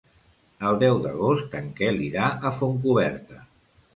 El deu d'agost en Quel irà a Fontcoberta.